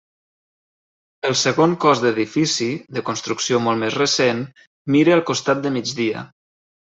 El segon cos d'edifici, de construcció molt més recent mira al costat de migdia.